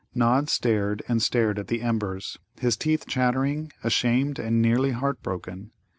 Nod stared and stared at the embers, his teeth chattering, ashamed and nearly heart broken.